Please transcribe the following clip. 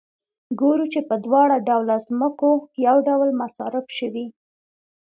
ګورو چې په دواړه ډوله ځمکو یو ډول مصارف شوي